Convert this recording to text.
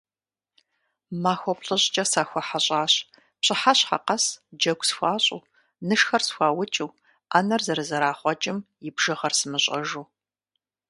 Махуэ плӀыщӀкӀэ сахуэхьэщӀащ, пщыхьэщхьэ къэс джэгу схуащӀу, нышхэр схуаукӀыу, Ӏэнэр зэрызэрахъуэкӏым и бжыгъэр сымыщӏэжу.